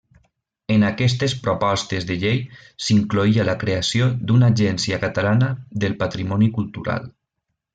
En aquestes propostes de llei s'incloïa la creació d'una Agència Catalana del Patrimoni Cultural.